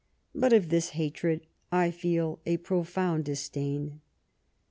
But of this hatred I feel a pro found disdain."